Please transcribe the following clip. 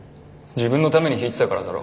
自分のために弾いてたからだろ。